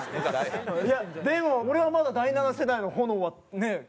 いやでも俺はまだ第七世代の炎はね